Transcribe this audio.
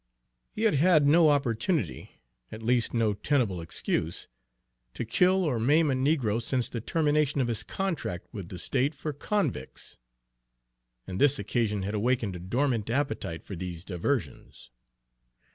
He had had no opportunity, at least no tenable excuse, to kill or maim a negro since the termination of his contract with the state for convicts, and this occasion had awakened a dormant appetite for these diversions.